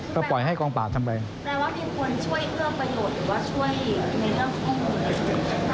ก็ปล่อยให้กรองปรากฏทำแบบนี้